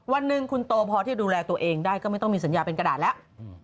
วันหนึ่งคุณโตพอที่จะดูแลตัวเองได้ก็ไม่ต้องมีสัญญาเป็นกระดาษแล้ว